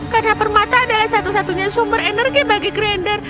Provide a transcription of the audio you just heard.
karena permata adalah satu satunya sumber energi bagi granger